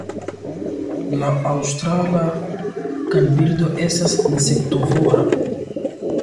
La Aŭstrala kanbirdo estas insektovora.